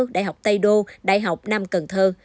đại học tây đô đại học nam cần thơ